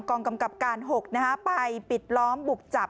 กองกำกับการ๖ไปปิดล้อมบุกจับ